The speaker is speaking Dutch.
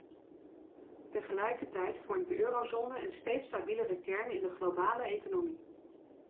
Tegelijkertijd vormt de eurozone een steeds stabielere kern in de globale economie.